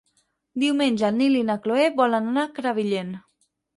Diumenge en Nil i na Cloè volen anar a Crevillent.